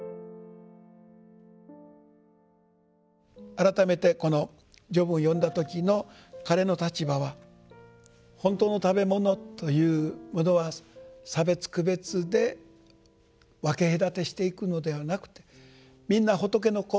改めてこの序文を読んだ時の彼の立場は「ほんたうのたべもの」というものは差別区別で分け隔てしていくのではなくてみんな仏の子。